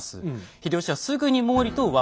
秀吉はすぐに毛利と和睦。